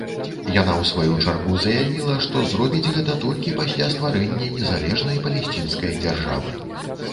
Яна, у сваю чаргу заявіла, што зробіць гэта толькі пасля стварэння незалежнай палесцінскай дзяржавы.